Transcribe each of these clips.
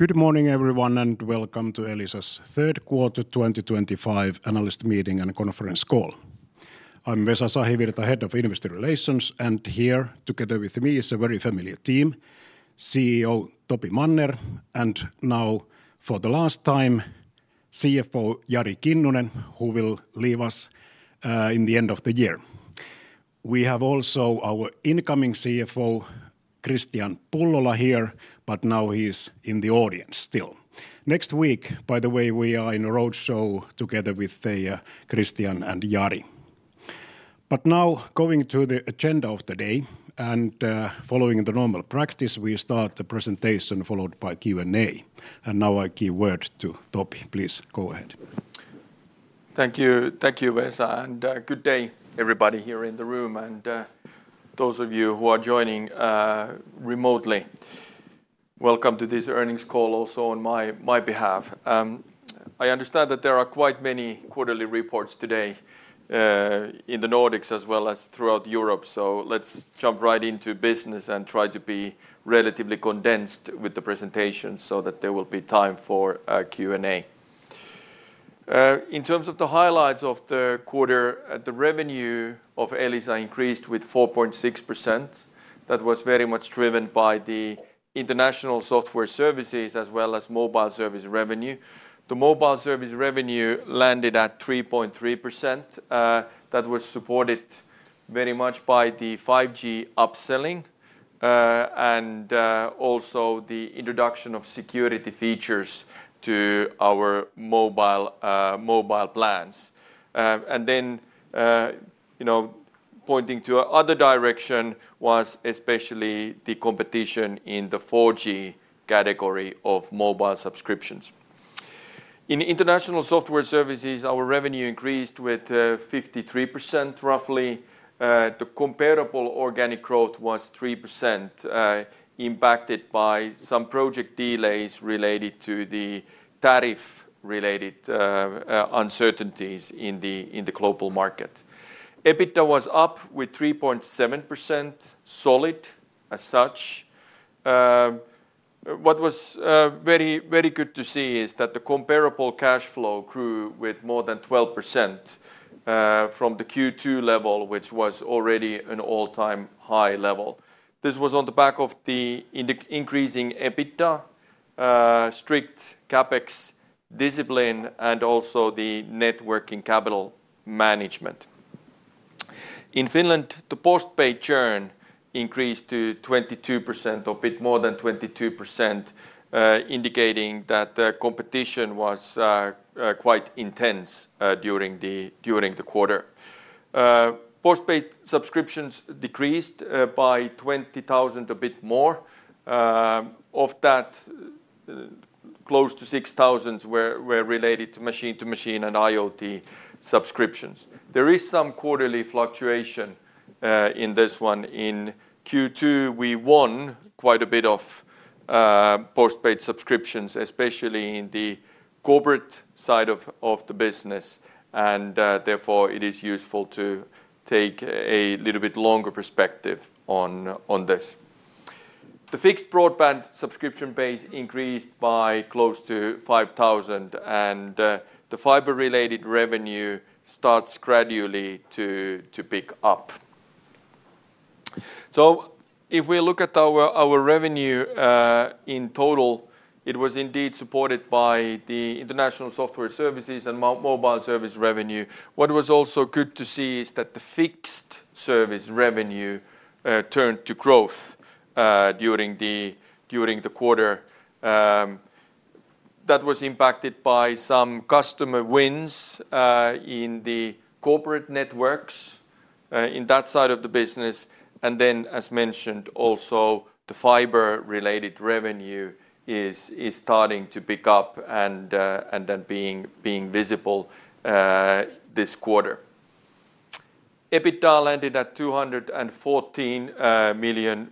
Good morning, everyone, and Welcome to Elisa 's Third Quarter 2025 analyst meeting and conference call. I'm Vesa Sahivirta, Head of Investor Relations, and here together with me is a very familiar team: CEO Topi Manner and now, for the last time, CFO Jari Kinnunen, who will leave us at the end of the year. We also have our incoming CFO, Kristian Pullola, here, but now he's in the audience still. Next week, by the way, we are in a roadshow together with Kristian and Jari. Going to the agenda of the day, and following the normal practice, we start the presentation followed by Q&A. I give the word to Topi. Please go ahead. Thank you, thank you, Vesa, and good day, everybody here in the room and those of you who are joining remotely. Welcome to this earnings call also on my behalf. I understand that there are quite many quarterly reports today in the Nordics as well as throughout Europe, so let's jump right into business and try to be relatively condensed with the presentation so that there will be time for Q&A. In terms of the highlights of the quarter, the revenue of Elisa increased with 4.6%. That was very much driven by the International Software Services as well as mobile service revenue. The mobile service revenue landed at 3.3%. That was supported very much by the 5G upselling and also the introduction of security features to our mobile plans. Pointing to another direction was especially the competition in the 4G category of mobile subscriptions. In International Software Services, our revenue increased with 53% roughly. The comparable organic growth was 3%, impacted by some project delays related to the tariff-related uncertainties in the global market. EBITDA was up with 3.7%, solid as such. What was very, very good to see is that the comparable cash flow grew with more than 12% from the Q2 level, which was already an all-time high level. This was on the back of the increasing EBITDA, strict CapEx discipline, and also the net working capital management. In Finland, the postpaid churn increased to 22%, a bit more than 22%, indicating that the competition was quite intense during the quarter. Postpaid subscriptions decreased by 20,000, a bit more. Of that, close to 6,000 were related to machine-to-machine and IoT subscriptions. There is some quarterly fluctuation in this one. In Q2, we won quite a bit of postpaid subscriptions, especially in the corporate side of the business, and therefore it is useful to take a little bit longer perspective on this. The fixed broadband subscription base increased by close to 5,000, and the fiber-related revenue starts gradually to pick up. If we look at our revenue in total, it was indeed supported by the International Software Services and mobile service revenue. What was also good to see is that the fixed service revenue turned to growth during the quarter. That was impacted by some customer wins in the corporate networks in that side of the business. Also, the fiber-related revenue is starting to pick up and then being visible this quarter. EBITDA landed at 214 million.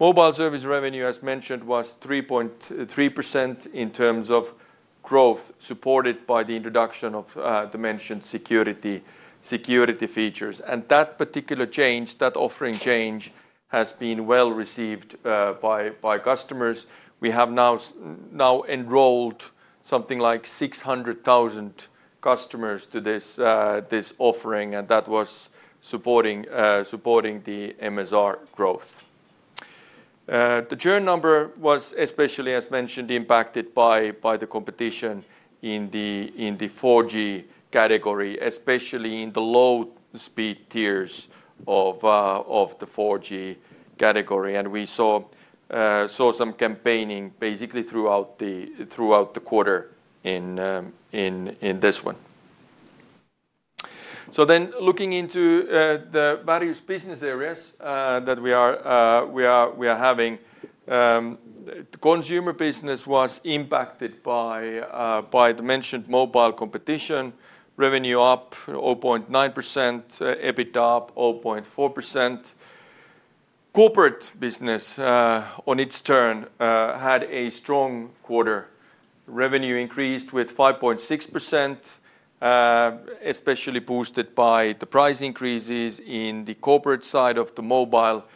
Mobile service revenue, as mentioned, was 3.3% in terms of growth, supported by the introduction of the mentioned security features. That particular change, that offering change, has been well received by customers. We have now enrolled something like 600,000 customers to this offering, and that was supporting the MSR growth. The churn number was especially, as mentioned, impacted by the competition in the 4G category, especially in the low-speed tiers of the 4G category. We saw some campaigning basically throughout the quarter in this one. Looking into the various business areas that we are having, the consumer business was impacted by the mentioned mobile competition. Revenue up 0.9%, EBITDA up 0.4%. Corporate business, on its turn, had a strong quarter. Revenue increased with 5.6%, especially boosted by the price increases in the corporate side of the mobile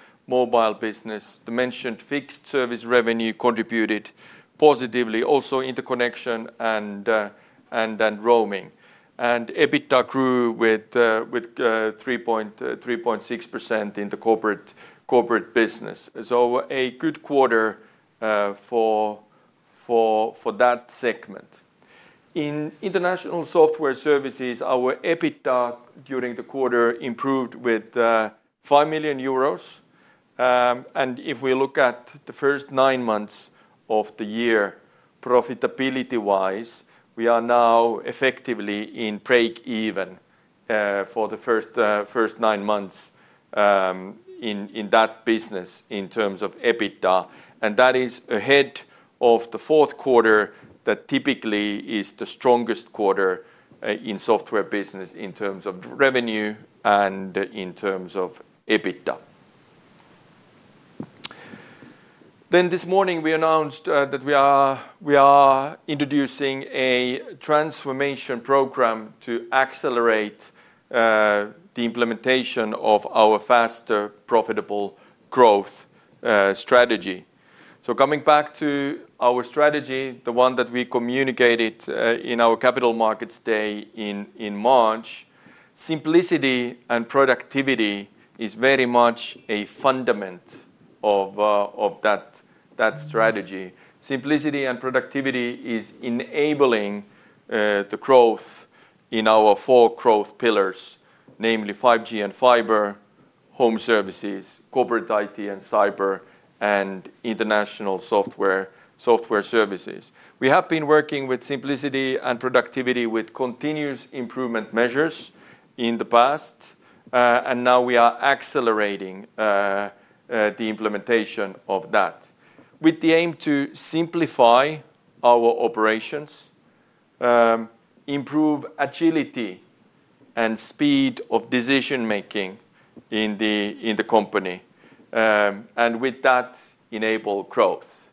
business. The mentioned fixed service revenue contributed positively, also interconnection and roaming. EBITDA grew with 3.6% in the corporate business. A good quarter for that segment. In International Software Services, our EBITDA during the quarter improved with 5 million euros. If we look at the first nine months of the year, profitability-wise, we are now effectively in break-even for the first nine months in that business in terms of EBITDA. That is ahead of the fourth quarter that typically is the strongest quarter in software business in terms of revenue and in terms of EBITDA. This morning, we announced that we are introducing a transformation program to accelerate the implementation of our faster, profitable growth strategy. Coming back to our strategy, the one that we communicated in our Capital Markets Day in March, simplicity and productivity are very much a fundament of that strategy. Simplicity and productivity are enabling the growth in our four growth pillars, namely 5G and fiber, home services, corporate IT and cyber, and International Software Services. We have been working with simplicity and productivity with continuous improvement measures in the past, and now we are accelerating the implementation of that with the aim to simplify our operations, improve agility and speed of decision-making in the company, and with that enable growth.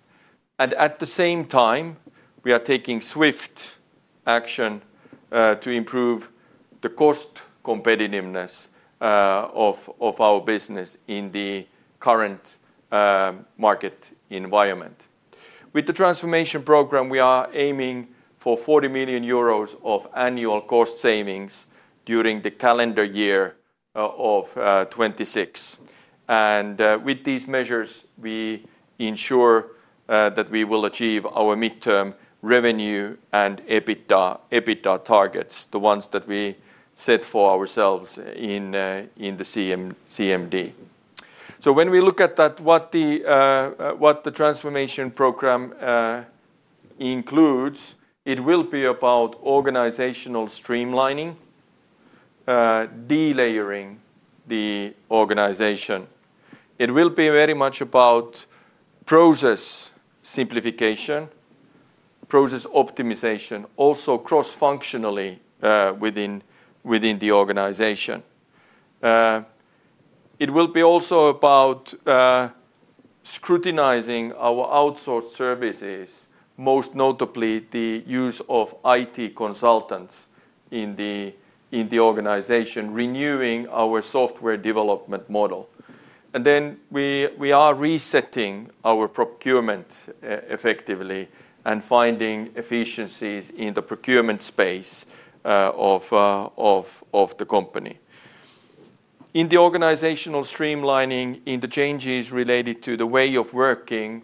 At the same time, we are taking swift action to improve the cost competitiveness of our business in the current market environment. With the transformation program, we are aiming for 40 million euros of annual cost savings during the calendar year of 2026. With these measures, we ensure that we will achieve our midterm revenue and EBITDA targets, the ones that we set for ourselves in the CMD. When we look at what the transformation program includes, it will be about organizational streamlining, delayering the organization. It will be very much about process simplification, process optimization, also cross-functionally within the organization. It will also be about scrutinizing our outsourced services, most notably the use of IT consultants in the organization, renewing our software development model. We are resetting our procurement effectively and finding efficiencies in the procurement space of the company. In the organizational streamlining, in the changes related to the way of working,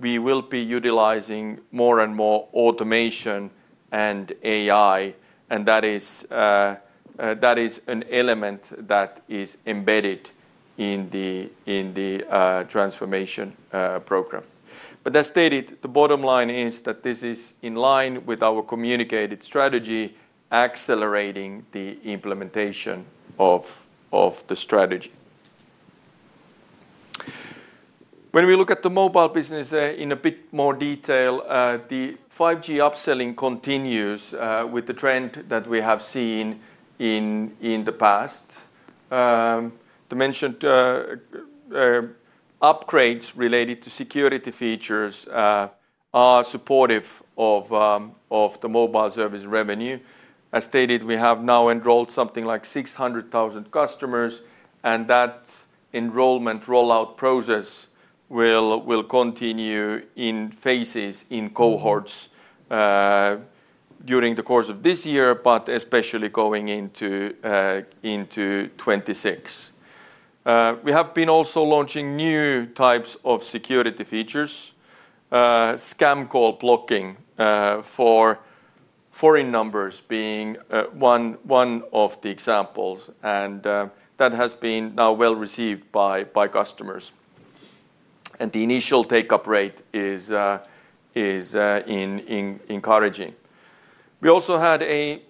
we will be utilizing more and more automation and AI, and that is an element that is embedded in the transformation program. As stated, the bottom line is that this is in line with our communicated strategy, accelerating the implementation of the strategy. When we look at the mobile business in a bit more detail, the 5G upselling continues with the trend that we have seen in the past. The mentioned upgrades related to security features are supportive of the mobile service revenue. As stated, we have now enrolled something like 600,000 customers, and that enrollment rollout process will continue in phases, in cohorts, during the course of this year, especially going into 2026. We have also been launching new types of security features, scam call blocking for foreign numbers being one of the examples, and that has now been well received by customers. The initial take-up rate is encouraging. We also had a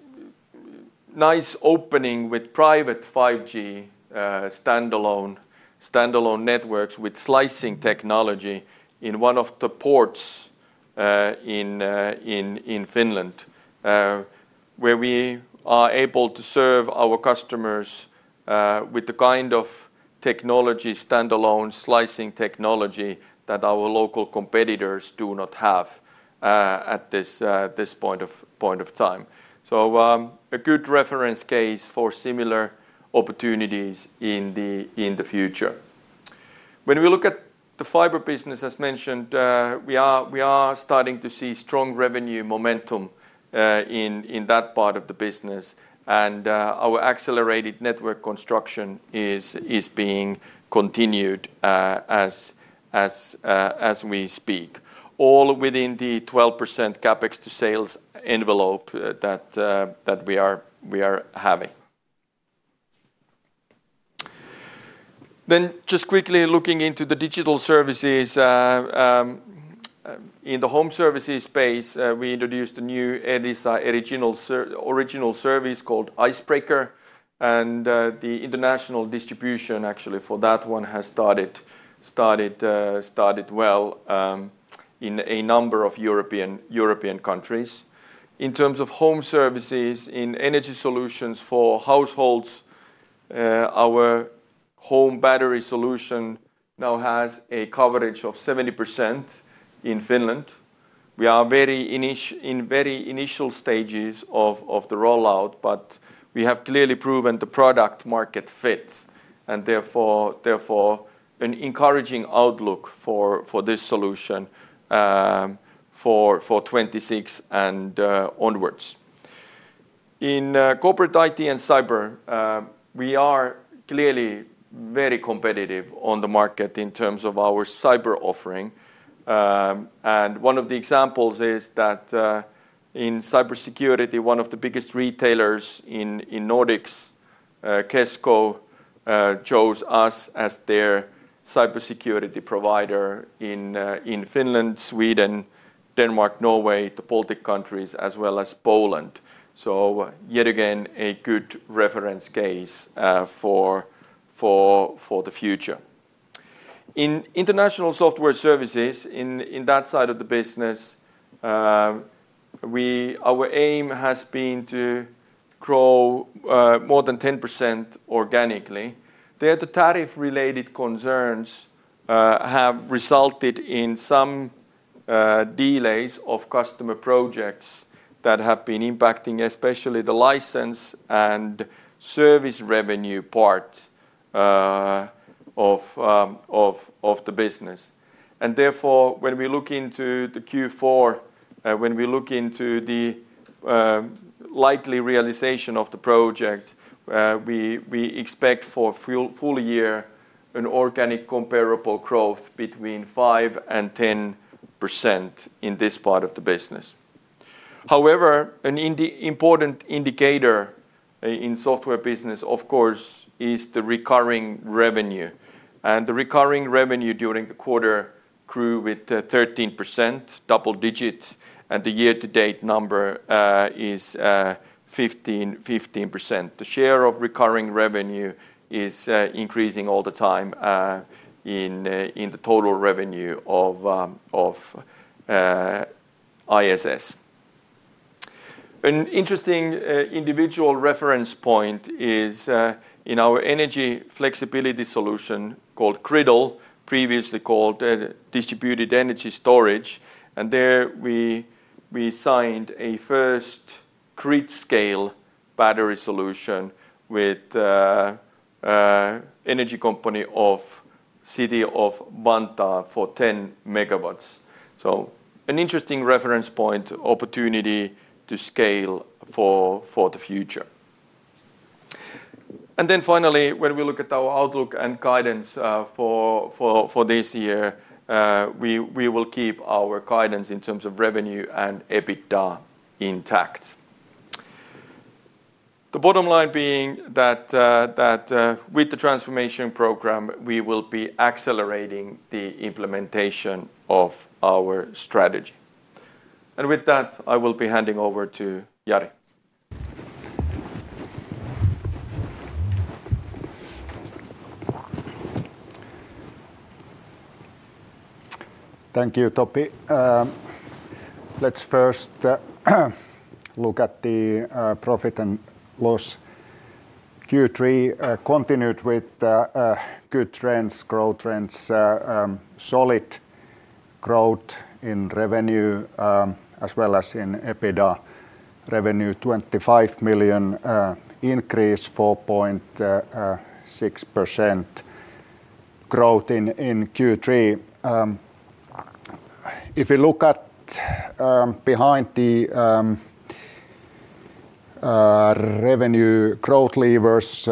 nice opening with private 5G standalone networks with slicing technology in one of the ports in Finland, where we are able to serve our customers with the kind of standalone slicing technology that our local competitors do not have at this point in time. This is a good reference case for similar opportunities in the future. When we look at the fiber business, as mentioned, we are starting to see strong revenue momentum in that part of the business, and our accelerated network construction is being continued as we speak, all within the 12% CapEx to sales envelope that we are having. Quickly looking into the digital services, in the home services space, we introduced a new Elisa original service called Icebreaker, and the international distribution for that one has started well in a number of European countries. In terms of home services, in energy solutions for households, our home battery solution now has a coverage of 70% in Finland. We are in very initial stages of the rollout, but we have clearly proven the product-market fit, and therefore an encouraging outlook for this solution for 2026 and onwards. In corporate IT and cyber, we are clearly very competitive on the market in terms of our cyber offering, and one of the examples is that in cybersecurity, one of the biggest retailers in Nordics, Kesko, chose us as their cybersecurity provider in Finland, Sweden, Denmark, Norway, the Baltic countries, as well as Poland. Yet again, a good reference case for the future. In International Software Services, in that side of the business, our aim has been to grow more than 10% organically. The tariff-related concerns have resulted in some delays of customer projects that have been impacting especially the license and service revenue part of the business. Therefore, when we look into Q4, when we look into the likely realization of the project, we expect for a full year an organic comparable growth between 5% and 10% in this part of the business. However, an important indicator in the software business, of course, is the recurring revenue, and the recurring revenue during the quarter grew with 13%, double digits, and the year-to-date number is 15%. The share of recurring revenue is increasing all the time in the total revenue of ISS. An interesting individual reference point is in our energy flexibility solution called Gridle, previously called Distributed Energy Storage, and there we signed a first grid scale battery solution with the energy company of the city of Vantaa for 10 MW. An interesting reference point, opportunity to scale for the future. Finally, when we look at our outlook and guidance for this year, we will keep our guidance in terms of revenue and EBITDA intact. The bottom line being that with the transformation program, we will be accelerating the implementation of our strategy. With that, I will be handing over to Jari. Thank you, Topi. Let's first look at the profit and loss. Q3 continued with good trends, growth trends, solid growth in revenue as well as in EBITDA. Revenue EUR 25 million increase, 4.6% growth in Q3. If we look at behind the revenue growth levers,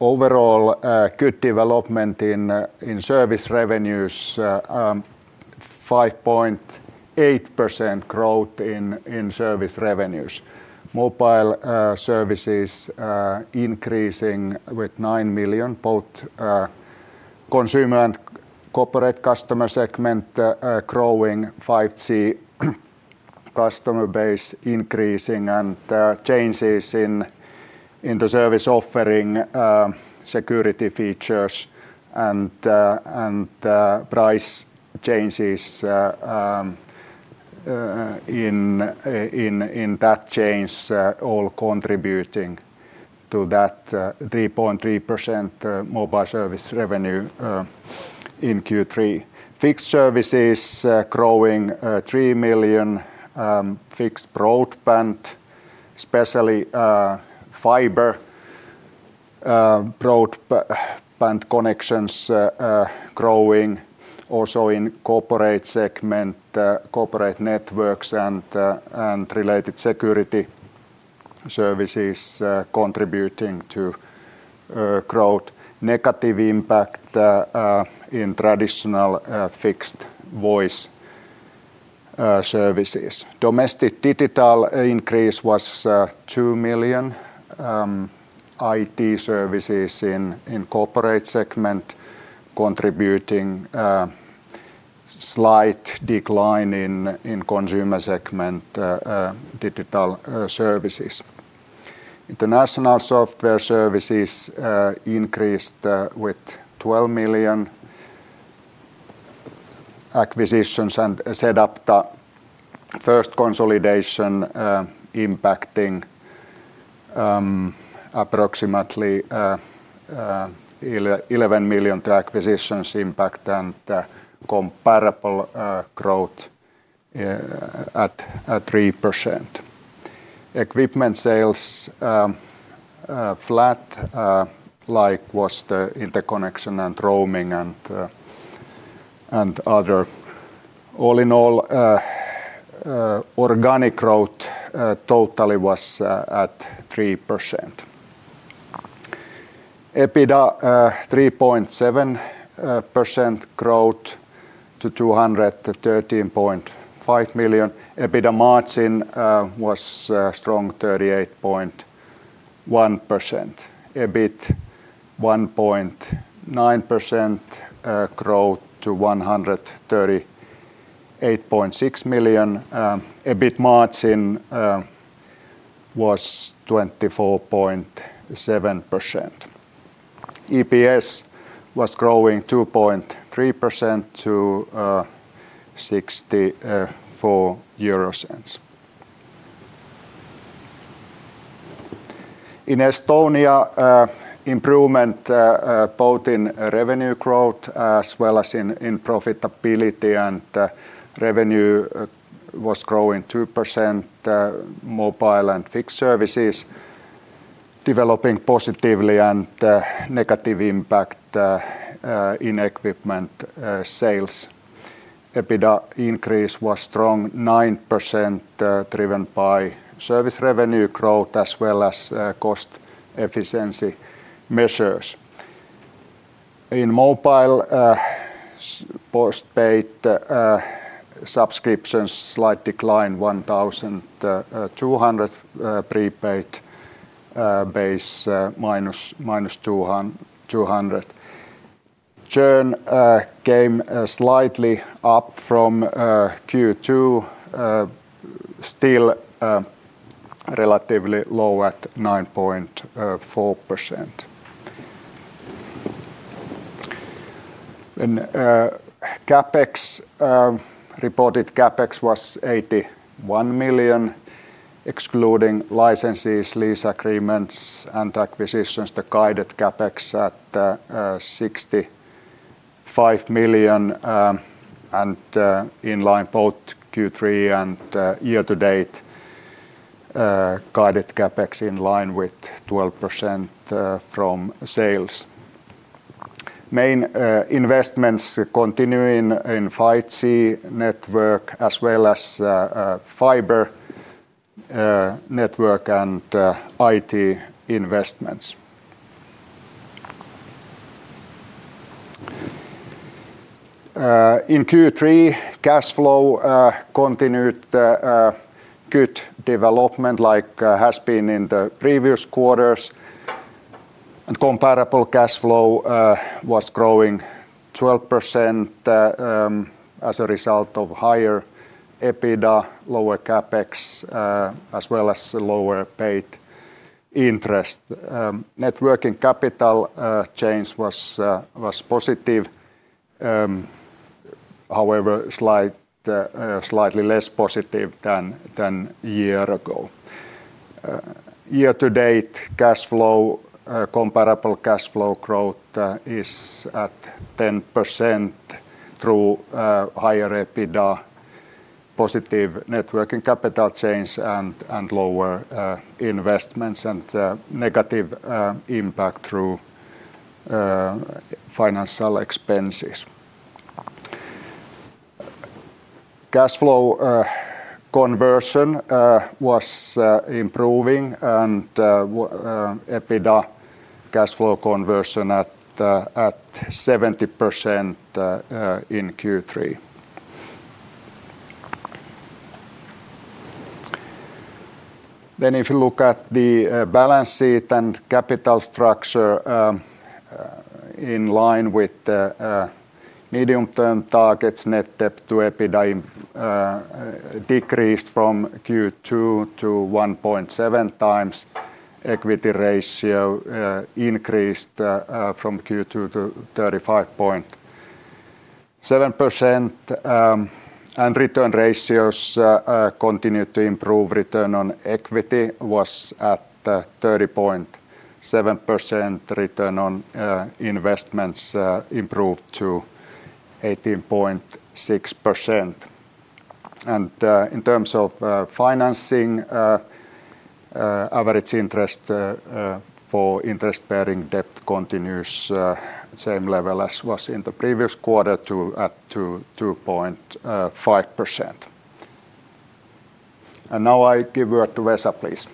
overall good development in service revenues, 5.8% growth in service revenues. Mobile services increasing with 9 million, both consumer and corporate customer segment growing, 5G customer base increasing, and changes in the service offering, security features, and price changes in that change all contributing to that 3.3% mobile service revenue in Q3. Fixed services growing 3 million, fixed broadband, especially fiber broadband connections growing, also in corporate segment, corporate networks, and related security services contributing to growth. Negative impact in traditional fixed voice services. Domestic digital increase was 2 million. IT services in corporate segment contributing slight decline in consumer segment digital services. International Software Services increased with EUR 12 million acquisitions and setup. First consolidation impacting approximately EUR 11 million. Acquisitions impact and comparable growth at 3%. Equipment sales flat, like was the interconnection and roaming and other. All in all, organic growth totally was at 3%. EBITDA 3.7% growth to 213.5 million. EBITDA margin was strong 38.1%. EBIT 1.9% growth to EUR 138.6 million. EBIT margin was 24.7%. EPS was growing 2.3% to 0.64. In Estonia, improvement both in revenue growth as well as in profitability, and revenue was growing 2%. Mobile and fixed services developing positively and negative impact in equipment sales. EBITDA increase was strong 9% driven by service revenue growth as well as cost efficiency measures. In mobile, postpaid subscriptions slight decline, 1,200 prepaid base -200. Churn came slightly up from Q2, still relatively low at 9.4%. CapEx, reported CapEx was 81 million, excluding licenses, lease agreements, and acquisitions, the guided CapEx at 65 million. In line both Q3 and year-to-date guided CapEx in line with 12% from sales. Main investments continue in 5G network as well as fiber network and IT investments. In Q3, cash flow continued good development like has been in the previous quarters. Comparable cash flow was growing 12% as a result of higher EBITDA, lower CapEx, as well as lower paid interest. net working capital change was positive, however, slightly less positive than a year ago. Year-to-date cash flow, comparable cash flow growth is at 10% through higher EBITDA, positive net working capital change, and lower investments and negative impact through financial expenses. Cash flow conversion was improving, and EBITDA cash flow conversion at 70% in Q3. If you look at the balance sheet and capital structure, in line with the medium-term targets, net debt to EBITDA decreased from Q2 to 1.7 times, equity ratio increased from Q2 to 35.7%, and return ratios continued to improve. Return on equity was at 30.7%, return on investments improved to 18.6%. In terms of financing, average interest for interest-bearing debt continues at the same level as was in the previous quarter at 2.5%. Now I give word to Vesa, please.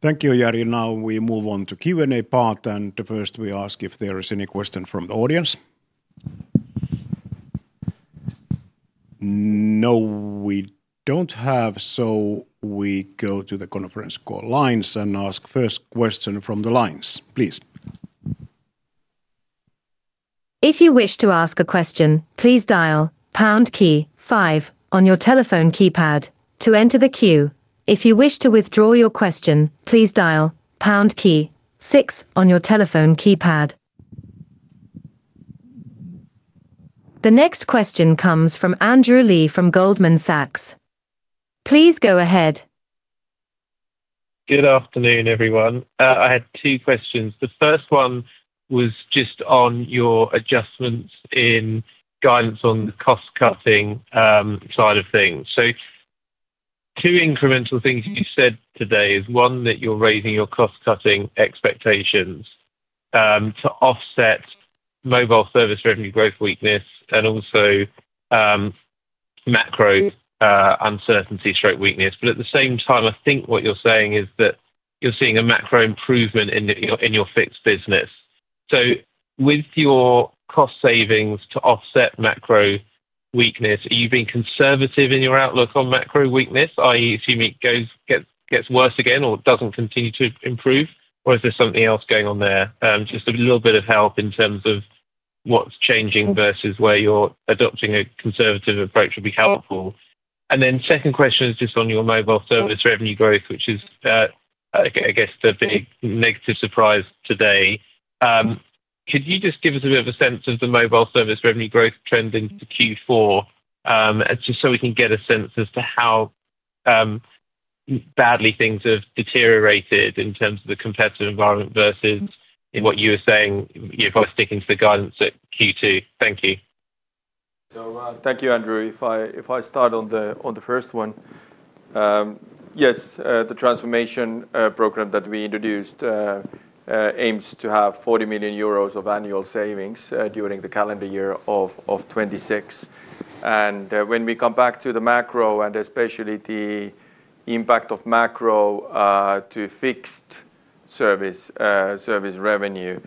Thank you, Jari. Now we move on to the Q&A part, and first we ask if there is any question from the audience. No, we don't have, so we go to the conference call lines and ask first question from the lines, please. If you wish to ask a question, please dial pound key five on your telephone keypad to enter the queue. If you wish to withdraw your question, please dial pound key six on your telephone keypad. The next question comes from Andrew Lee from Goldman Sachs. Please go ahead. Good afternoon, everyone. I had two questions. The first one was just on your adjustments in guidance on the cost cutting side of things. Two incremental things you said today are, one, that you're raising your cost cutting expectations to offset mobile service revenue growth weakness and also macro uncertainty or weakness. At the same time, I think what you're saying is that you're seeing a macro improvement in your fixed business. With your cost savings to offset macro weakness, are you being conservative in your outlook on macro weakness, i.e., if you mean it gets worse again or doesn't continue to improve, or is there something else going on there? Just a little bit of help in terms of what's changing versus where you're adopting a conservative approach would be helpful. The second question is just on your mobile service revenue growth, which is, I guess, the big negative surprise today. Could you just give us a bit of a sense of the mobile service revenue growth trend in Q4 just so we can get a sense as to how badly things have deteriorated in terms of the competitive environment versus what you were saying by sticking to the guidance at Q2? Thank you. Thank you, Andrew. If I start on the first one, yes, the transformation program that we introduced aims to have 40 million euros of annual savings during the calendar year of 2026. When we come back to the macro and especially the impact of macro to fixed service revenue,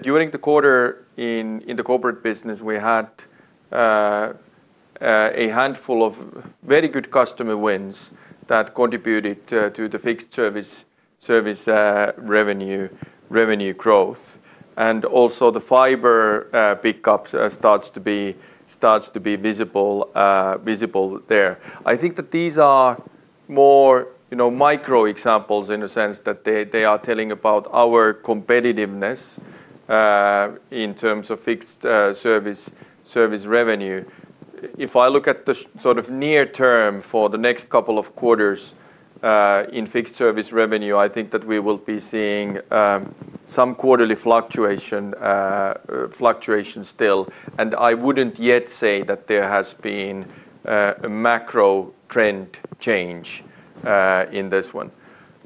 during the quarter in the corporate business, we had a handful of very good customer wins that contributed to the fixed service revenue growth. Also, the fiber pickup starts to be visible there. I think that these are more micro examples in a sense that they are telling about our competitiveness in terms of fixed service revenue. If I look at the sort of near term for the next couple of quarters in fixed service revenue, I think that we will be seeing some quarterly fluctuation still. I wouldn't yet say that there has been a macro trend change in this one.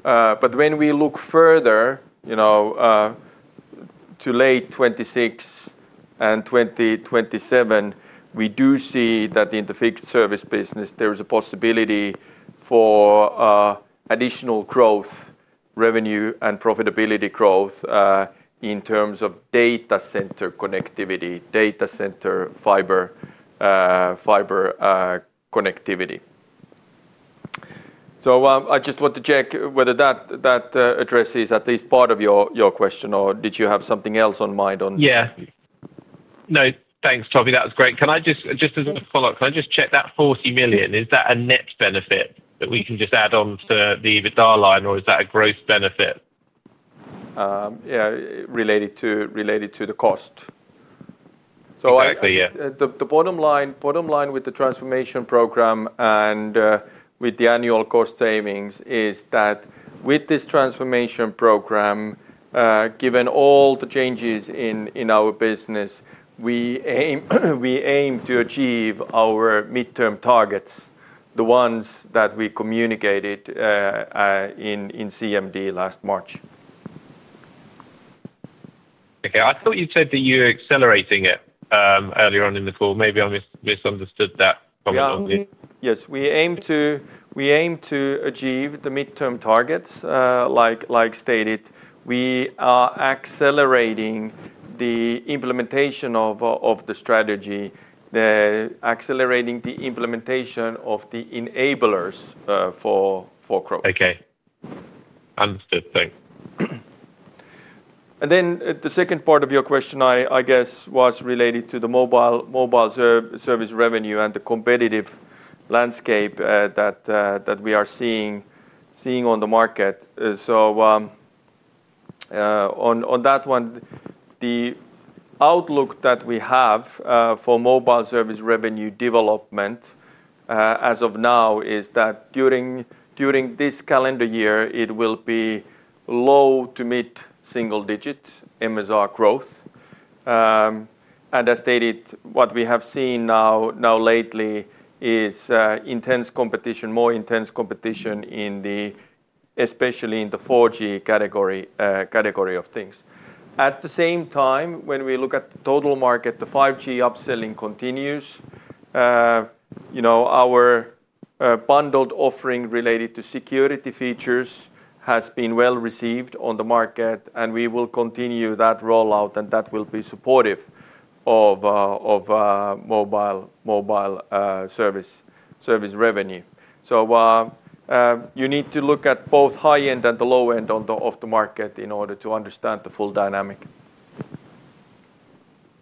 When we look further to late 2026 and 2027, we do see that in the fixed service business, there is a possibility for additional growth, revenue, and profitability growth in terms of data center connectivity, data center fiber connectivity. I just want to check whether that addresses at least part of your question or did you have something else on mind? Thanks, Topi. That was great. Can I just, as a follow-up, check that 40 million, is that a net benefit that we can just add on to the EBITDA line, or is that a gross benefit? Yeah, related to the cost. Exactly, yeah. The bottom line with the transformation program and with the annual cost savings is that with this transformation program, given all the changes in our business, we aim to achieve our midterm targets, the ones that we communicated in CMD last March. Okay. I thought you said that you're accelerating it earlier on in the call. Maybe I misunderstood that. Yes, we aim to achieve the midterm targets. Like stated, we are accelerating the implementation of the strategy, accelerating the implementation of the enablers for growth. Okay. Understood. Thanks. The second part of your question, I guess, was related to the mobile service revenue and the competitive landscape that we are seeing on the market. On that one, the outlook that we have for mobile service revenue development as of now is that during this calendar year, it will be low to mid-single-digit MSR growth. As stated, what we have seen now lately is intense competition, more intense competition, especially in the 4G category of things. At the same time, when we look at the total market, the 5G upselling continues. Our bundled offering related to security features has been well received on the market, and we will continue that rollout and that will be supportive of mobile service revenue. You need to look at both high-end and the low-end of the market in order to understand the full dynamic.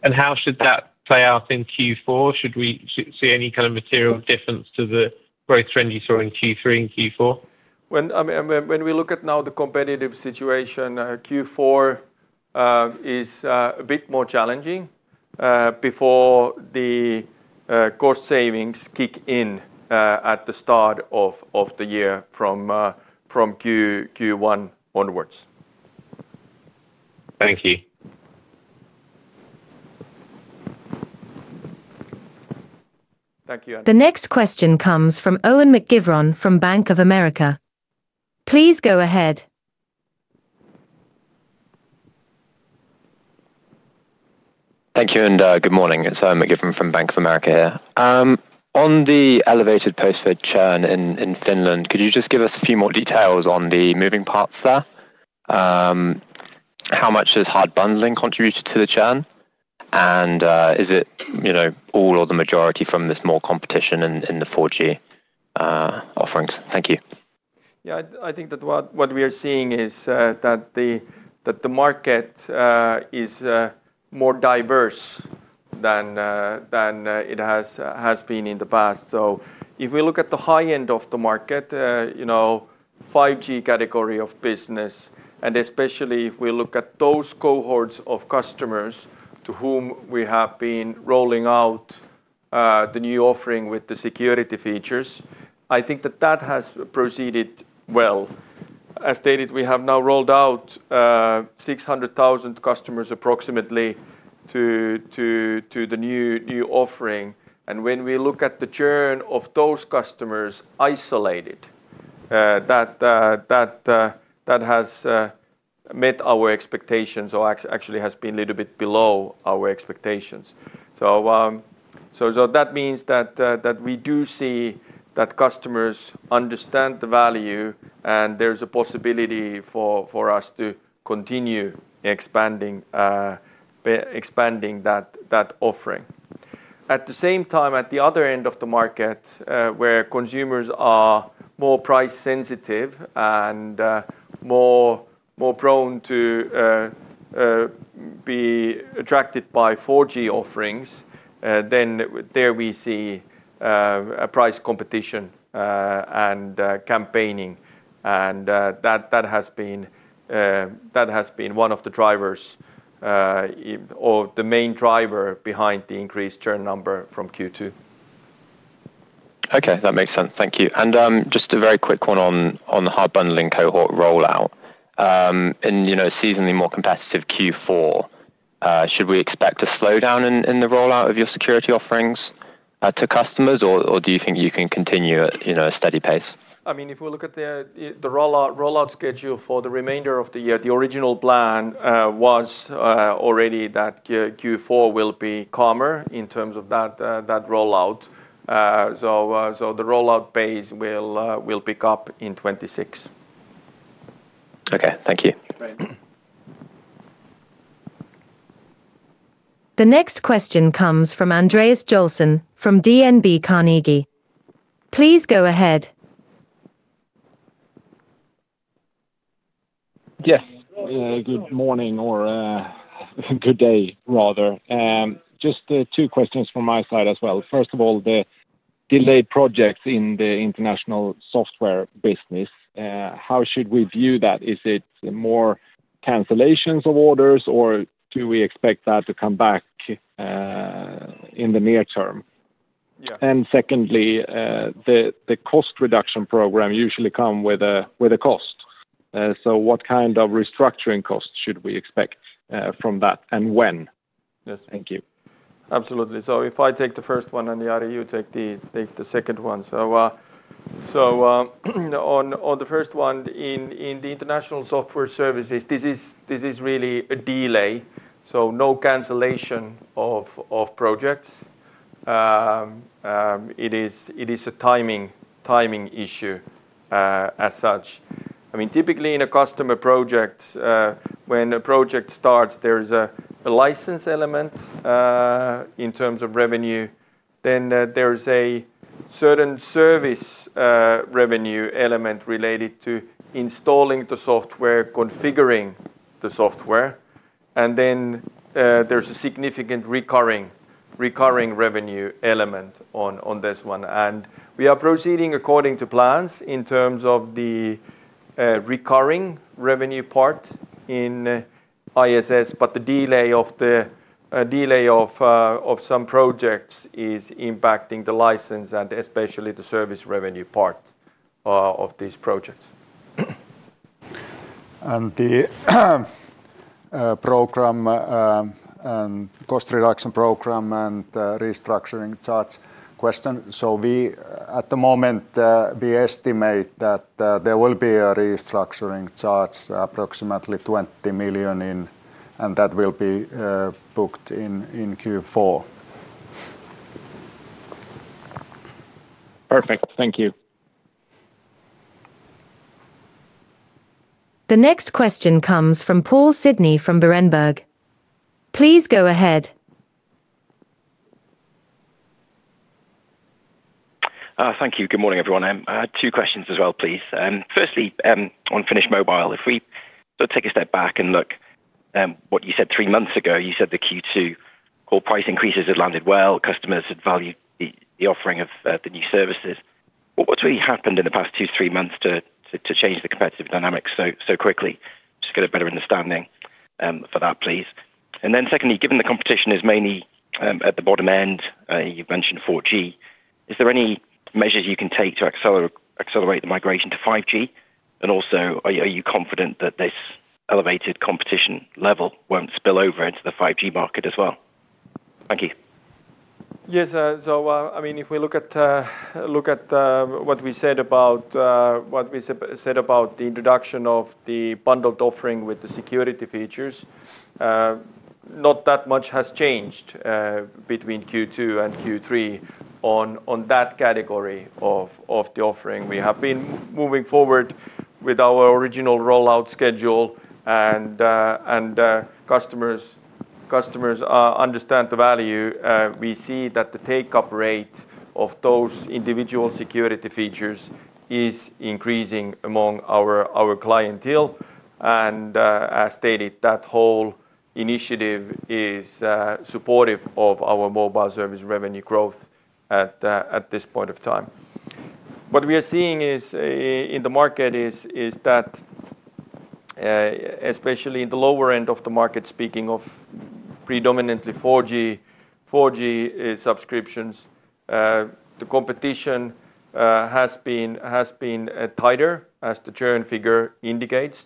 How should that play out in Q4? Should we see any kind of material difference to the growth trend you saw in Q3 and Q4? When we look at now the competitive situation, Q4 is a bit more challenging before the cost savings kick in at the start of the year from Q1 onwards. Thank you. Thank you. The next question comes from Owen McGiveron from Bank of America. Please go ahead. Thank you and good morning. It's Owen McGiveron from Bank of America here. On the elevated postpaid churn in Finland, could you just give us a few more details on the moving parts there? How much has hard bundling contributed to the churn, and is it all or the majority from this more competition in the 4G offerings? Thank you. I think that what we are seeing is that the market is more diverse than it has been in the past. If we look at the high end of the market, you know, 5G category of business, and especially if we look at those cohorts of customers to whom we have been rolling out the new offering with the security features, I think that has proceeded well. As stated, we have now rolled out approximately 600,000 customers to the new offering. When we look at the churn of those customers isolated, that has met our expectations or actually has been a little bit below our expectations. That means that we do see that customers understand the value and there's a possibility for us to continue expanding that offering. At the same time, at the other end of the market where consumers are more price sensitive and more prone to be attracted by 4G offerings, there we see a price competition and campaigning. That has been one of the drivers or the main driver behind the increased churn number from Q2. Okay, that makes sense. Thank you. Just a very quick one on the hard bundling cohort rollout. In a seasonally more competitive Q4, should we expect a slowdown in the rollout of your security offerings to customers, or do you think you can continue at a steady pace? If we look at the rollout schedule for the remainder of the year, the original plan was already that Q4 will be calmer in terms of that rollout. The rollout pace will pick up in 2026. Okay, thank you. The next question comes from Andreas Jolson from DNB Carnegie. Please go ahead. Yes, good morning or good day rather. Just two questions from my side as well. First of all, the delayed projects in the International Software Services business, how should we view that? Is it more cancellations of orders, or do we expect that to come back in the near term? Yeah. The cost reduction program usually comes with a cost. What kind of restructuring costs should we expect from that and when? Yes, thank you. Absolutely. If I take the first one and Jari, you take the second one. On the first one, in International Software Services, this is really a delay, not a cancellation of projects. It is a timing issue as such. Typically, in a customer project, when a project starts, there's a license element in terms of revenue, then there's a certain service revenue element related to installing the software, configuring the software, and then there's a significant recurring revenue element on this one. We are proceeding according to plans in terms of the recurring revenue part in ISS, but the delay of some projects is impacting the license and especially the service revenue part of these projects. The program and cost reduction program and restructuring charge question. At the moment, we estimate that there will be a restructuring charge, approximately 20 million, and that will be booked in Q4. Perfect, thank you. The next question comes from Paul Sidney from Berenberg. Please go ahead. Thank you. Good morning, everyone. Two questions as well, please. Firstly, on Finnish Mobile, if we take a step back and look at what you said three months ago, you said the Q2 core price increases had landed well. Customers had valued the offering of the new services. What's really happened in the past two to three months to change the competitive dynamics so quickly? Just get a better understanding for that, please. Secondly, given the competition is mainly at the bottom end, you mentioned 4G, are there any measures you can take to accelerate the migration to 5G? Also, are you confident that this elevated competition level won't spill over into the 5G market as well? Thank you. Yes, so I mean, if we look at what we said about the introduction of the bundled offering with the security features, not that much has changed between Q2 and Q3 on that category of the offering. We have been moving forward with our original rollout schedule, and customers understand the value. We see that the take-up rate of those individual security features is increasing among our clientele. As stated, that whole initiative is supportive of our mobile service revenue growth at this point of time. What we are seeing in the market is that, especially in the lower end of the market, speaking of predominantly 4G subscriptions, the competition has been tighter, as the churn figure indicates.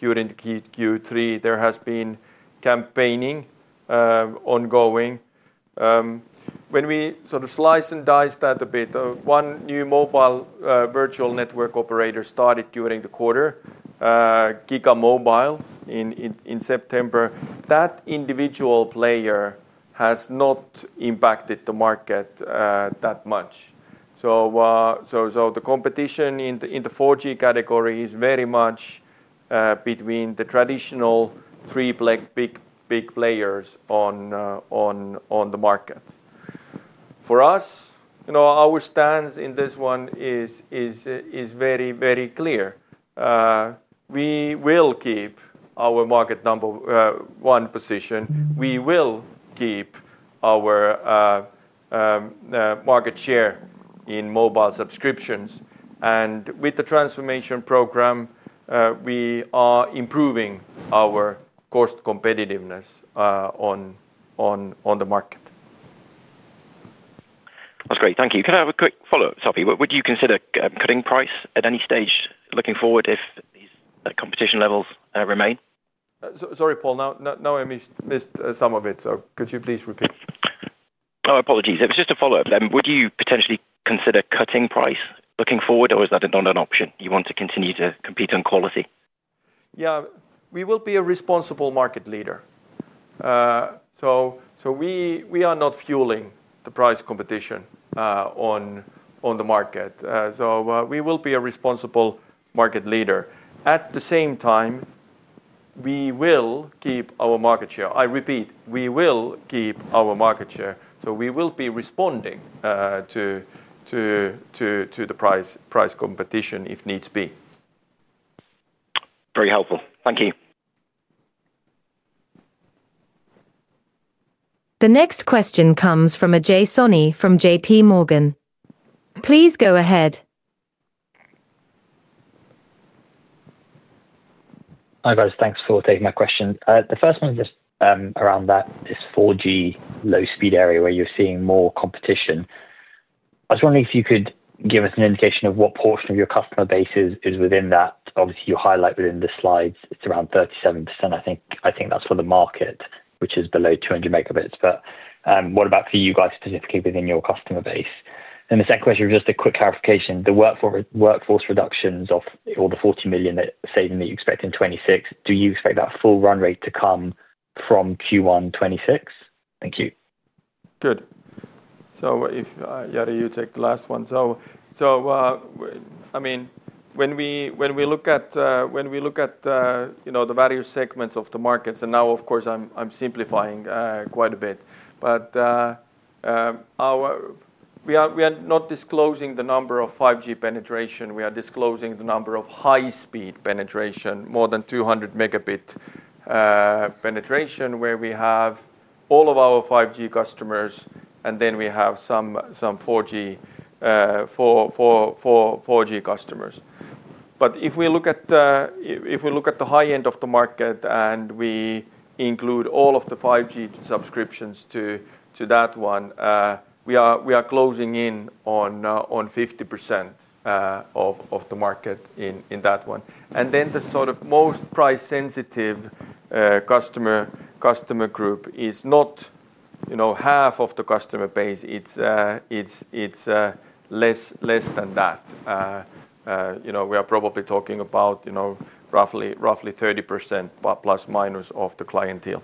During Q3, there has been campaigning ongoing. When we sort of slice and dice that a bit, one new mobile virtual network operator started during the quarter, Giga Mobile, in September. That individual player has not impacted the market that much. The competition in the 4G category is very much between the traditional three big players on the market. For us, our stance in this one is very, very clear. We will keep our market number one position. We will keep our market share in mobile subscriptions. With the transformation program, we are improving our cost competitiveness on the market. That's great, thank you. Can I have a quick follow-up, Topi? Would you consider cutting price at any stage looking forward if these competition levels remain? Sorry, Paul, I missed some of it, so could you please repeat? No, apologies. It was just a follow-up. Would you potentially consider cutting price looking forward, or is that not an option? You want to continue to compete on quality? We will be a responsible market leader. We are not fueling the price competition on the market. We will be a responsible market leader. At the same time, we will keep our market share. I repeat, we will keep our market share. We will be responding to the price competition if needs be. Very helpful, thank you. The next question comes from Ajay Soni from JPMorgan. Please go ahead. Hi, guys, thanks for taking my question. The first one is just around this 4G low-speed area where you're seeing more competition. I was wondering if you could give us an indication of what portion of your customer base is within that. Obviously, you highlight within the slides it's around 37%. I think that's for the market, which is below 200 Mb. What about for you guys specifically within your customer base? The second question is just a quick clarification. The workforce reductions of all the 40 million saving that you expect in 2026, do you expect that full run rate to come from Q1 2026? Thank you. Good. If Jari, you take the last one. When we look at the various segments of the markets, and now, of course, I'm simplifying quite a bit, we are not disclosing the number of 5G penetration. We are disclosing the number of high-speed penetration, more than 200 Mb penetration, where we have all of our 5G customers and then we have some 4G customers. If we look at the high end of the market and we include all of the 5G subscriptions to that one, we are closing in on 50% of the market in that one. The sort of most price-sensitive customer group is not half of the customer base. It's less than that. We are probably talking about roughly 30%± of the clientele.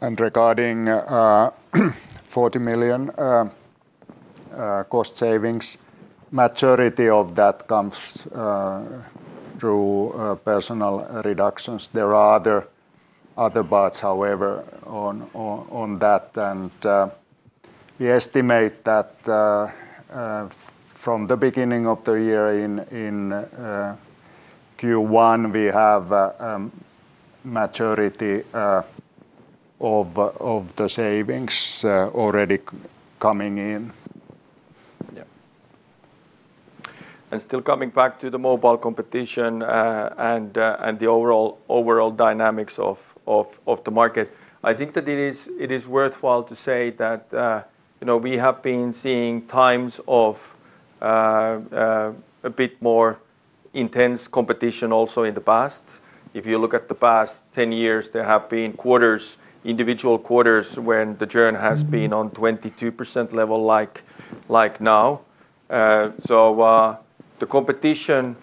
Regarding EUR 40 million cost savings, the majority of that comes through personnel reductions. There are other parts, however, on that. We estimate that from the beginning of the year in Q1, we have a majority of the savings already coming in. Yeah. Still coming back to the mobile competition and the overall dynamics of the market, I think that it is worthwhile to say that we have been seeing times of a bit more intense competition also in the past. If you look at the past 10 years, there have been individual quarters when the churn has been on a 22% level like now. The competition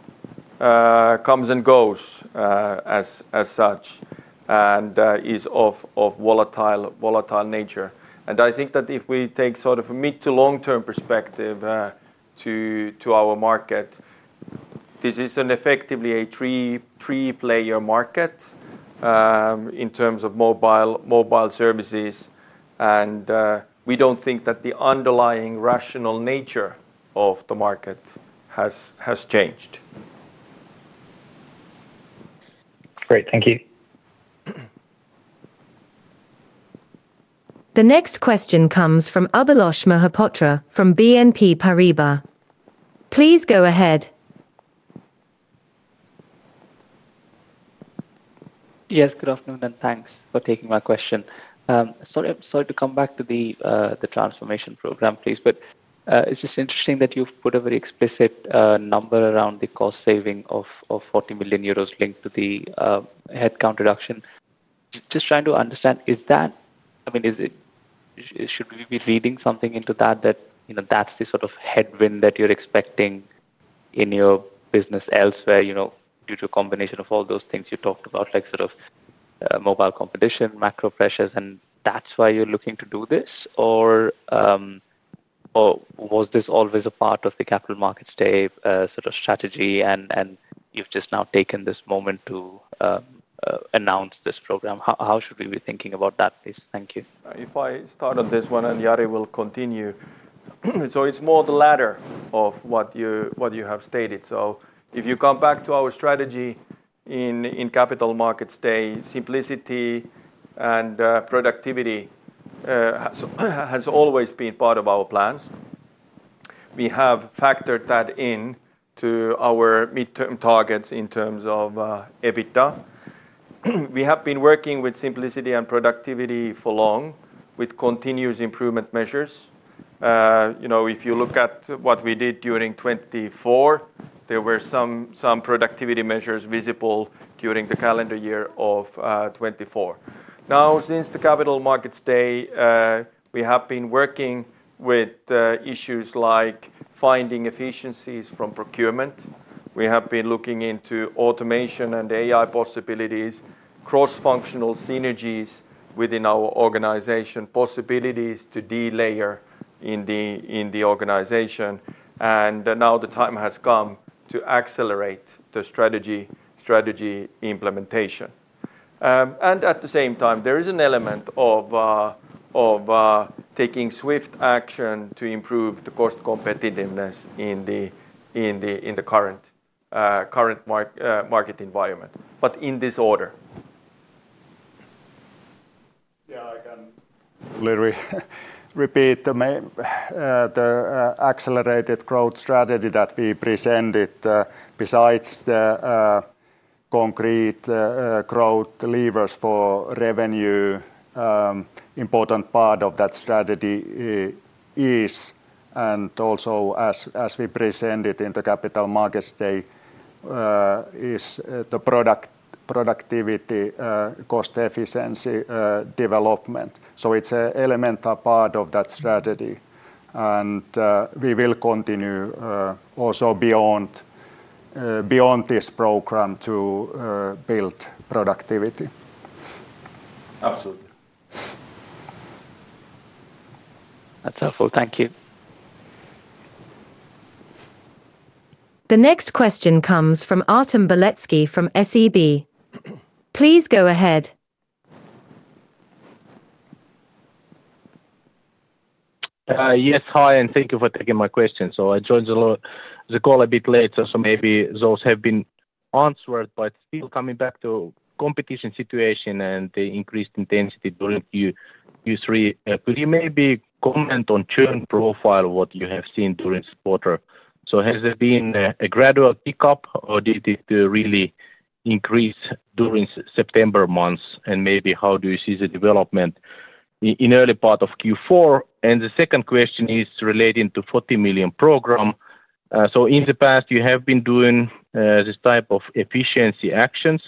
comes and goes as such and is of volatile nature. I think that if we take sort of a mid to long-term perspective to our market, this is effectively a three-player market in terms of mobile services. We don't think that the underlying rational nature of the market has changed. Great, thank you. The next question comes from Abhilash Mohapatra from BNP Paribas. Please go ahead. Yes, good afternoon and thanks for taking my question. Sorry to come back to the transformation program, please, but it's just interesting that you've put a very explicit number around the cost saving of 40 million euros linked to the headcount reduction. Just trying to understand, is that, I mean, should we be reading something into that, that you know that's the sort of headwind that you're expecting in your business elsewhere due to a combination of all those things you talked about, like sort of mobile competition, macro pressures, and that's why you're looking to do this? Was this always a part of the Capital Markets Day sort of strategy and you've just now taken this moment to announce this program? How should we be thinking about that, please? Thank you. If I start on this one and Jari will continue, it's more the latter of what you have stated. If you come back to our strategy in Capital Markets Day, simplicity and productivity has always been part of our plans. We have factored that into our midterm targets in terms of EBITDA. We have been working with simplicity and productivity for long with continuous improvement measures. If you look at what we did during 2024, there were some productivity measures visible during the calendar year of 2024. Since the Capital Markets Day, we have been working with issues like finding efficiencies from procurement. We have been looking into automation and AI possibilities, cross-functional synergies within our organization, possibilities to delayer in the organization. Now the time has come to accelerate the strategy implementation. At the same time, there is an element of taking swift action to improve the cost competitiveness in the current market environment, but in this order. Yeah, I can repeat the accelerated growth strategy that we presented. Besides the concrete growth levers for revenue, an important part of that strategy is, as we presented in the Capital Markets day, the productivity cost efficiency development. It's an elemental part of that strategy, and we will continue also beyond this program to build productivity. Absolutely. That's helpful, thank you. The next question comes from Artem Beletski from SEB. Please go ahead. Yes, hi, and thank you for taking my question. I joined the call a bit late, so maybe those have been answered, but still coming back to the competition situation and the increased intensity during Q3. Could you maybe comment on churn profile, what you have seen during this quarter? Has there been a gradual pickup or did it really increase during September months? How do you see the development in the early part of Q4? The second question is relating to the 40 million program. In the past, you have been doing this type of efficiency actions,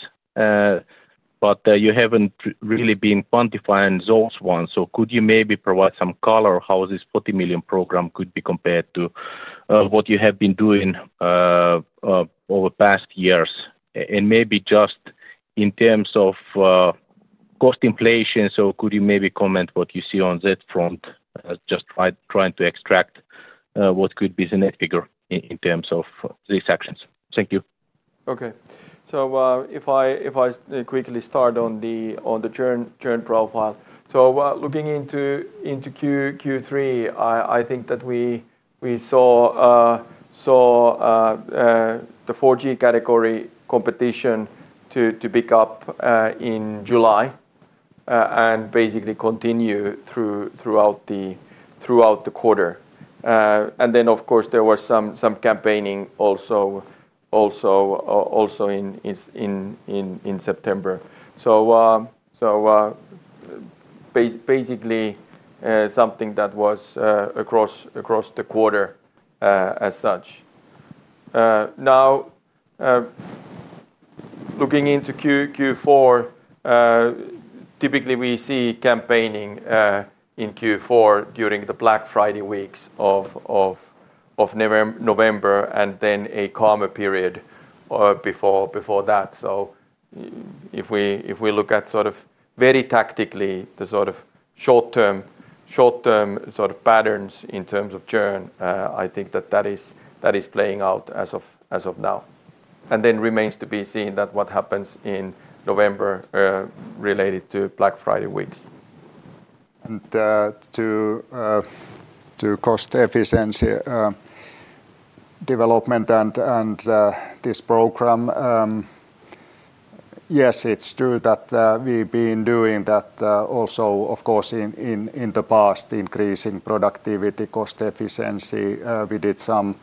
but you haven't really been quantifying those ones. Could you maybe provide some color how this 40 million program could be compared to what you have been doing over the past years? In terms of cost inflation, could you maybe comment what you see on that front, just trying to extract what could be the net figure in terms of these actions? Thank you. Okay. If I quickly start on the churn profile, looking into Q3, I think that we saw the 4G category competition pick up in July and basically continue throughout the quarter. There was some campaigning also in September, so basically something that was across the quarter as such. Now, looking into Q4, typically we see campaigning in Q4 during the Black Friday weeks of November and then a calmer period before that. If we look at sort of very tactically the short-term patterns in terms of churn, I think that is playing out as of now. It remains to be seen what happens in November related to Black Friday weeks. To cost efficiency development and this program, yes, it's true that we've been doing that also, of course, in the past, increasing productivity, cost efficiency. We did some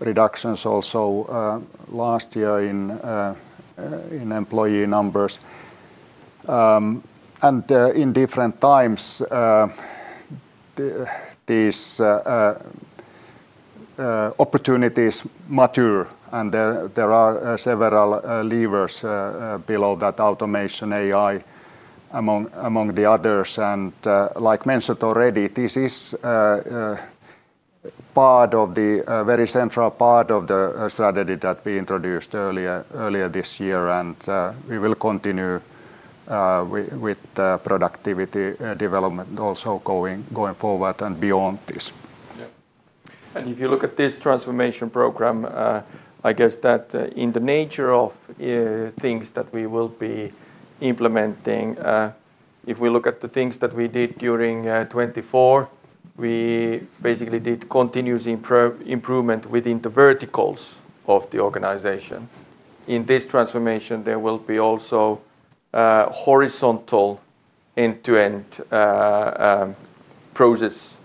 reductions also last year in employee numbers. In different times, these opportunities mature, and there are several levers below that: automation, AI, among the others. Like mentioned already, this is part of the very central part of the strategy that we introduced earlier this year, and we will continue with productivity development also going forward and beyond this. If you look at this transformation program, I guess that in the nature of things that we will be implementing, if we look at the things that we did during 2024, we basically did continuous improvement within the verticals of the organization. In this transformation, there will be also horizontal end-to-end process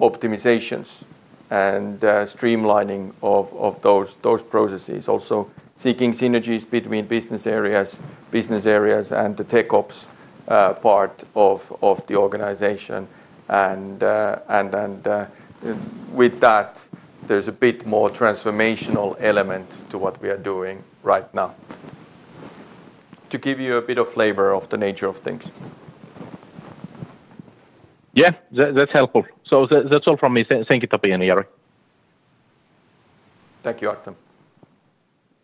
optimizations and streamlining of those processes. Also, seeking synergies between business areas and the tech ops part of the organization. With that, there's a bit more transformational element to what we are doing right now to give you a bit of flavor of the nature of things. Yeah, that's helpful. That's all from me. Thank you, Topi and Jari. Thank you, Artem.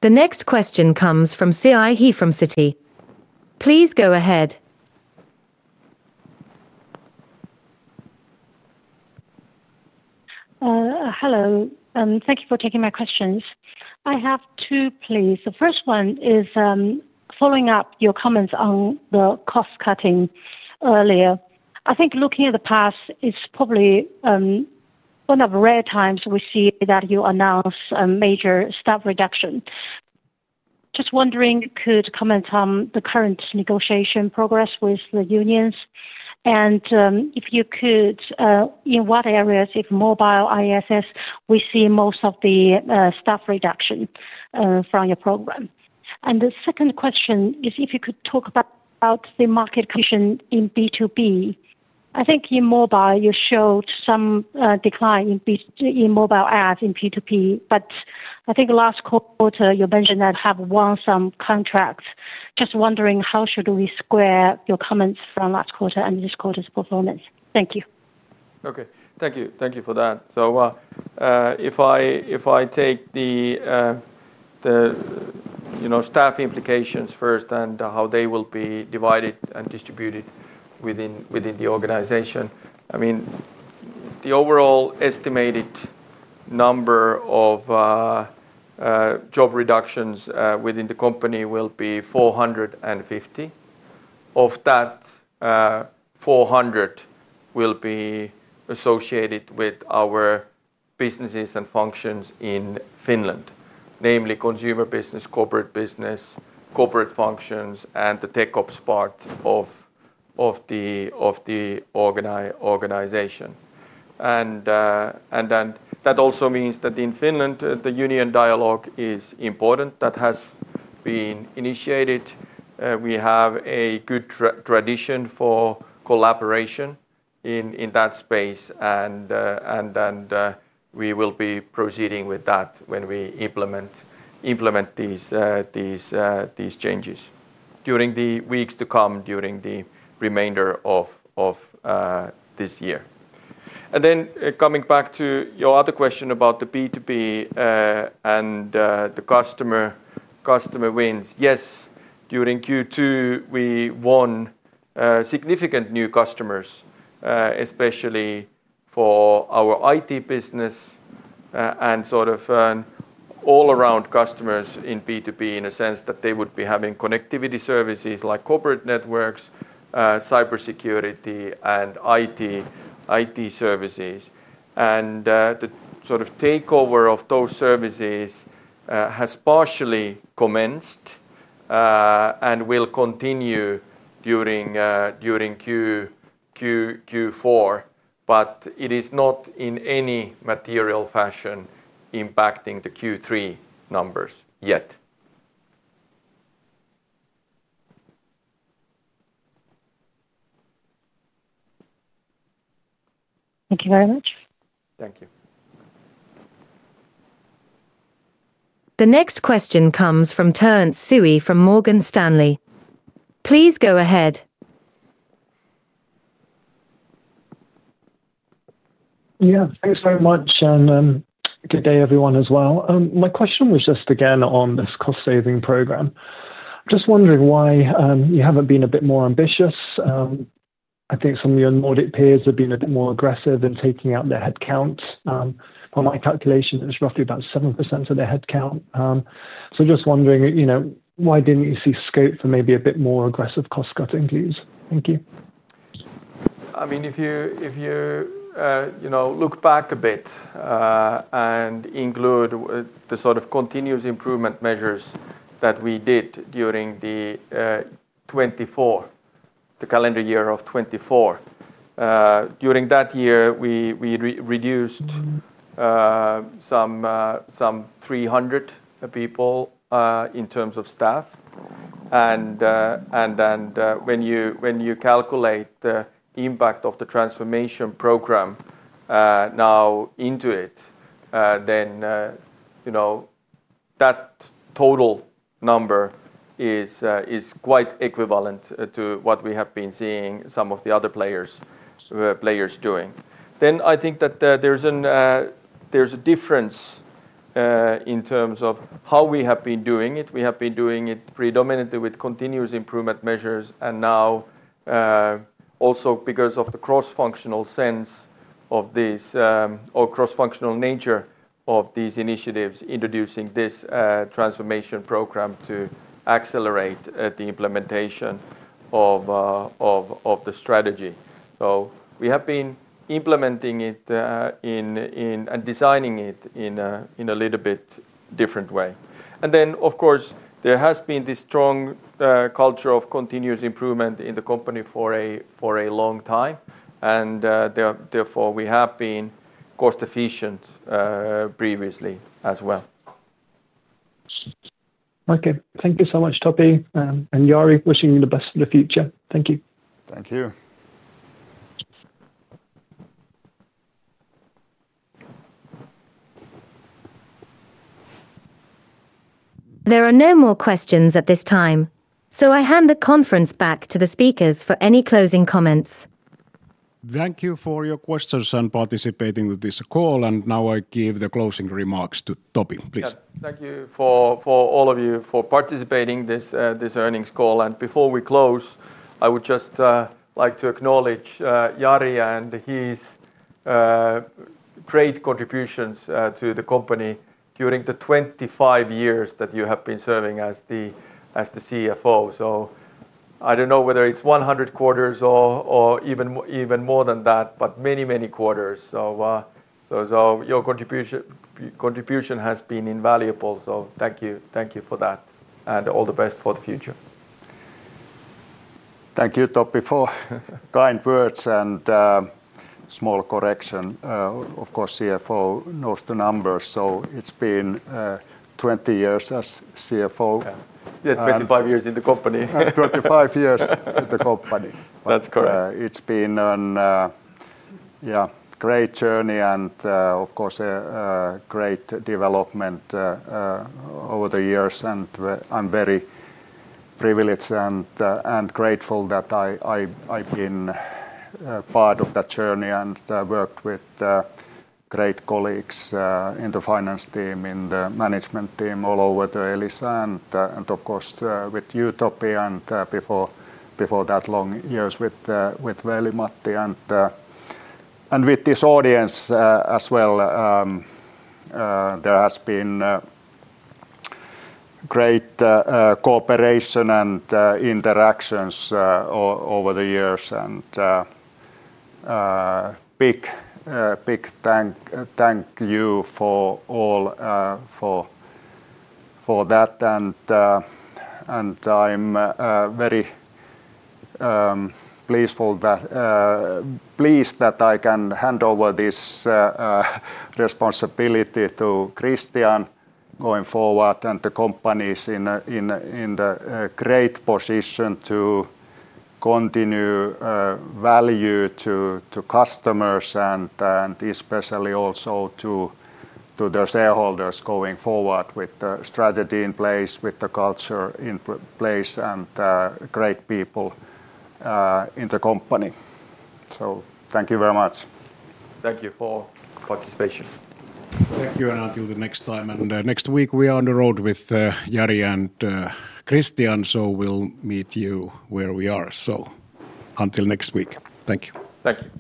The next question comes from Siyi He from Citi. Please go ahead. Hello. Thank you for taking my questions. I have two, please. The first one is following up your comments on the cost cutting earlier. I think looking at the past, it's probably one of the rare times we see that you announce a major staff reduction. Just wondering, could you comment on the current negotiation progress with the unions? If you could, in what areas, if mobile or ISS, we see most of the staff reduction from your program? The second question is if you could talk about the market condition in B2B. I think in mobile, you showed some decline in mobile ads in B2B, but I think last quarter you mentioned that you have won some contracts. Just wondering, how should we square your comments from last quarter and this quarter's performance? Thank you. Thank you for that. If I take the staff implications first and how they will be divided and distributed within the organization, the overall estimated number of job reductions within the company will be 450. Of that, 400 will be associated with our businesses and functions in Finland, namely Consumer Business, Corporate Business, Corporate Functions, and the Tech Ops part of the organization. That also means that in Finland, the union dialogue is important. That has been initiated. We have a good tradition for collaboration in that space, and we will be proceeding with that when we implement these changes during the weeks to come, during the remainder of this year. Coming back to your other question about the B2B and the customer wins, yes, during Q2, we won significant new customers, especially for our IT business and all-around customers in B2B in a sense that they would be having connectivity services like corporate networks, cybersecurity, and IT services. The takeover of those services has partially commenced and will continue during Q4, but it is not in any material fashion impacting the Q3 numbers yet. Thank you very much. Thank you. The next question comes from Terence Tsui from Morgan Stanley. Please go ahead. Yeah, thanks very much, and good day everyone as well. My question was just again on this cost-saving program. I'm just wondering why you haven't been a bit more ambitious. I think some of your Nordic peers have been a bit more aggressive in taking out their headcount. From my calculation, it was roughly about 7% of their headcount. I'm just wondering, you know, why didn't you see scope for maybe a bit more aggressive cost cutting, please? Thank you. If you look back a bit and include the sort of continuous improvement measures that we did during 2024, the calendar year of 2024, during that year, we reduced some 300 people in terms of staff. When you calculate the impact of the transformation program now into it, that total number is quite equivalent to what we have been seeing some of the other players doing. I think that there's a difference in terms of how we have been doing it. We have been doing it predominantly with continuous improvement measures, and now also because of the cross-functional sense of this, or cross-functional nature of these initiatives, introducing this transformation program to accelerate the implementation of the strategy. We have been implementing it and designing it in a little bit different way. Of course, there has been this strong culture of continuous improvement in the company for a long time, and therefore, we have been cost-efficient previously as well. Okay, thank you so much, Topi, and Jari, wishing you the best for the future. Thank you. Thank you. There are no more questions at this time, so I hand the conference back to the speakers for any closing comments. Thank you for your questions and participating in this call, and now I give the closing remarks to Topi, please. Thank you for all of you for participating in this earnings call. Before we close, I would just like to acknowledge Jari and his great contributions to the company during the 25 years that you have been serving as the CFO. I don't know whether it's 100 quarters or even more than that, but many, many quarters. Your contribution has been invaluable, so thank you for that, and all the best for the future. Thank you, Topi, for kind words and small correction. Of course, CFO knows the numbers, so it's been 20 years as CFO. Yeah, 25 years in the company. 25 years in the company. That's correct. It's been a great journey and, of course, a great development over the years, and I'm very privileged and grateful that I've been part of that journey and worked with great colleagues in the finance team, in the management team, all over Elisa, and of course with you, Topi, and before that long years with Veli-Matti. With this audience as well, there has been great cooperation and interactions over the years, and big thank you for all for that. I'm very pleased that I can hand over this responsibility to Kristian going forward, and the company is in a great position to continue value to customers and especially also to their shareholders going forward with the strategy in place, with the culture in place, and great people in the company. Thank you very much. Thank you for participation. Thank you, and until the next time. Next week we are on the road with Jari and Kristian, so we'll meet you where we are. Until next week, thank you. Thank you.